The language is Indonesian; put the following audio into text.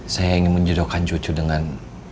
saya ingin menjedohkan cucu dengan